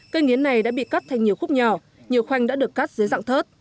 cây nghiến này đã bị cắt thành nhiều khúc nhỏ nhiều khoanh đã được cắt dưới dạng thớt